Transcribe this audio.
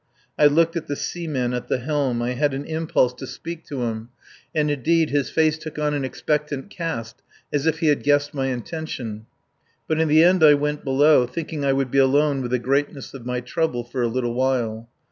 I looked at the seaman at the helm, I had an impulse to speak to him, and, indeed, his face took on an expectant cast as if he had guessed my intention. But in the end I went below, thinking I would be alone with the greatness of my trouble for a little while.